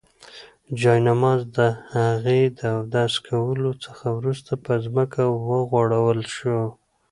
جاینماز د هغې د اودس کولو څخه وروسته په ځمکه وغوړول شو.